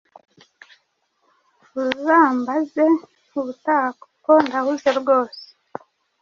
uzambaze ubutaha kuko ndahuze rwose